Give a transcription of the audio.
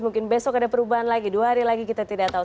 mungkin besok ada perubahan lagi dua hari lagi kita tidak tahu